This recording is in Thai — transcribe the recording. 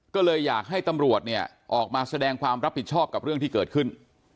ก็เลยอยากให้ตำรวจเนี่ยออกมาแสดงความรับผิดชอบกับเรื่องที่เกิดขึ้น